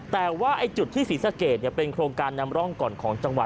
แต่ว่าจุดที่ศรีสะเกดเป็นโครงการนำร่องก่อนของจังหวัด